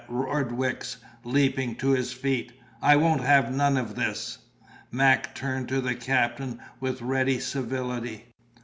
roared Wicks, leaping to his feet. "I won't have none of this." Mac turned to the captain with ready civility.